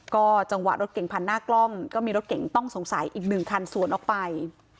ก็จังหวะรถเก่งพันหน้ากล้องก็มีรถเก่งต้องสงสัยอีกหนึ่งคันสวนออกไป